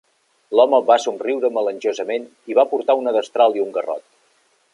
L'home va somriure melangiosament i va portar una destral i un garrot.